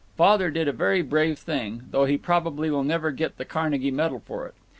Father did a very brave thing, though he probably will never get the Carnegie medal for it.